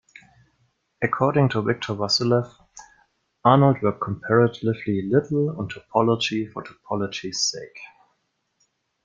According to Victor Vassiliev, Arnold worked comparatively little on topology for topology's sake.